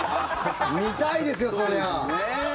見たいですよ、そりゃあ。